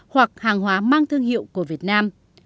hoặc hàng hóa mang thương hiệu của việt nam